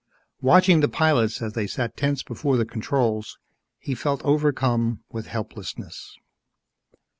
Watching the pilots as they sat tense before the controls, he felt overcome with helplessness.